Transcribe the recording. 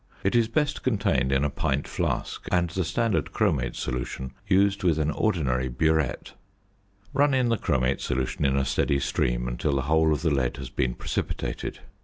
It is best contained in a pint flask, and the standard chromate solution used with an ordinary burette. Run in the chromate solution in a steady stream until the whole of the lead has been precipitated.